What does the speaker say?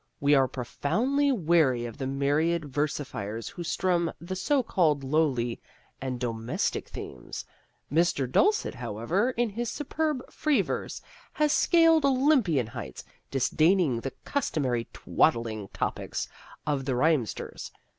We are profoundly weary of the myriad versifiers who strum the so called lowly and domestic themes. Mr. Dulcet, however, in his superb free verse, has scaled olympian heights, disdaining the customary twaddling topics of the rhymesters.